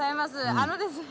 あのですね